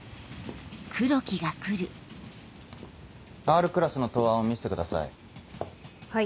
Ｒクラスの答案を見せてください。